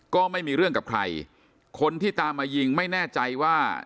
ก็ไม่มีเรื่องกับใครคนที่ตามมายิงไม่แน่ใจว่า